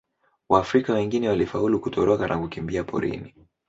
Waafrika wengine walifaulu kutoroka na kukimbia porini.